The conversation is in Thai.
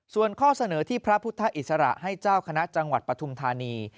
ส่วนข้อเสนอที่พระพุทธอิสระให้เจ้าคณะจังหวัดปฐุมธานี